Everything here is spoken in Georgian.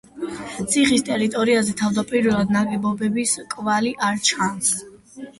ციხის ტერიტორიაზე თავდაპირველად ნაგებობების კვალი არ ჩანს.